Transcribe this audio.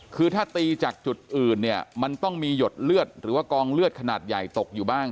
คือถ้าตีจากจุดอื่นเนี่ยมันต้องมีหยดเลือดหรือว่ากองเลือดขนาดใหญ่ตกอยู่บ้าง